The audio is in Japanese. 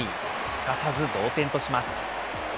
すかさず同点とします。